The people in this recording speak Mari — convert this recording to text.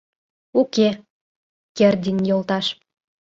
— Уке, Кердин йолташ!..